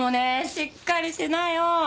しっかりしなよ！